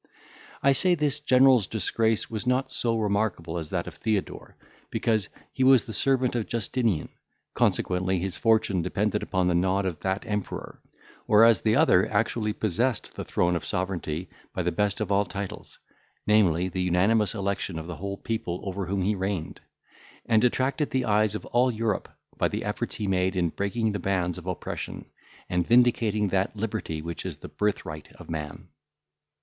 I say, this general's disgrace was not so remarkable as that of Theodore, because he was the servant of Justinian, consequently his fortune depended upon the nod of that emperor; whereas the other actually possessed the throne of sovereignty by the best of all titles, namely, the unanimous election of the people over whom he reigned; and attracted the eyes of all Europe, by the efforts he made in breaking the bands of oppression, and vindicating that liberty which is the birthright of man.